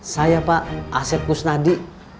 saya pak asep kusnadi